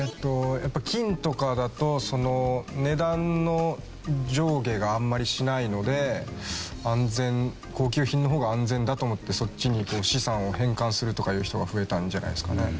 やっぱり金とかだと値段の上下があんまりしないので安全高級品の方が安全だと思ってそっちに資産を変換するとかいう人が増えたんじゃないですかね。